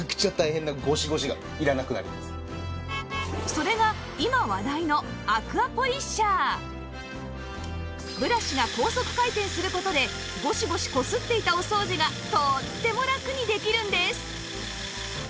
それが今話題のブラシが高速回転する事でゴシゴシ擦っていたお掃除がとってもラクにできるんです！